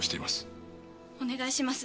お願いします。